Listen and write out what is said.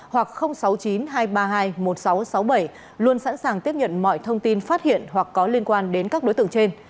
hoặc sáu mươi chín hai trăm ba mươi hai một nghìn sáu trăm sáu mươi bảy luôn sẵn sàng tiếp nhận mọi thông tin phát hiện hoặc có liên quan đến các đối tượng trên